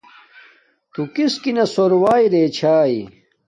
تݸ کِسکِنݳ ݽݸوݵئ رݵچھݳئی؟